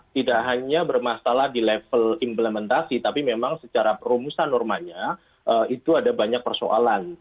tidak hanya bermasalah di level implementasi tapi memang secara perumusan normanya itu ada banyak persoalan